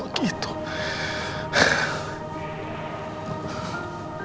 padahal aku udah berharap banyak